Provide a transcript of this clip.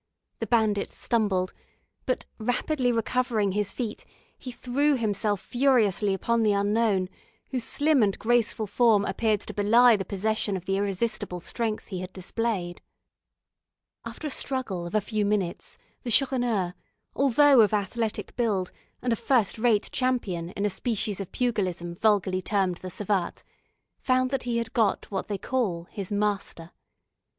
The bandit stumbled; but, rapidly recovering his feet, he threw himself furiously upon the unknown, whose slim and graceful form appeared to belie the possession of the irresistible strength he had displayed. After a struggle of a few minutes, the Chourineur, although of athletic build, and a first rate champion in a species of pugilism vulgarly termed the savate, found that he had got what they call his master.